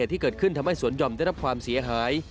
ที่เกิดขึ้นทำให้สวนห่อมได้รับความเสียหาย